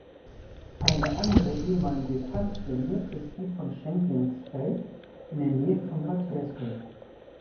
Eine andere ehemalige Tanzlinde ist die von Schenklengsfeld in der Nähe von Bad Hersfeld.